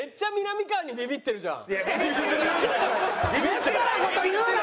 めったな事言うなよ！